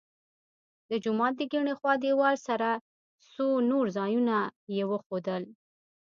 د جومات د کیڼې خوا دیوال سره څو نور ځایونه یې وښودل.